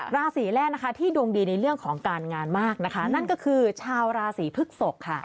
ราศีแรกนะคะที่ดวงดีในเรื่องของการงานมากนะคะนั่นก็คือชาวราศีพฤกษกค่ะ